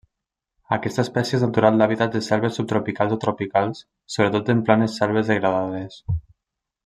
Aquesta espècie és natural d'hàbitats de selves subtropicals o tropicals sobretot en planes selves degradades.